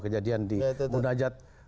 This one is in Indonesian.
kejadian di munajat